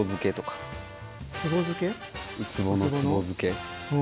ウツボの壺漬け。